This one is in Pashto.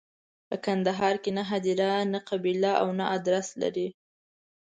په کندهار کې نه هدیره، نه قبیله او نه ادرس لري.